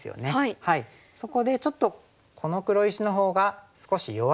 そこでちょっとこの黒石のほうが少し弱い。